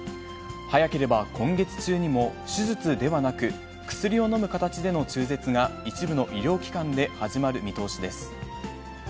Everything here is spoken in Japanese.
早ければ今月中にも手術ではなく、薬を飲む形での中絶が一部の医療機関で始まる見通しです。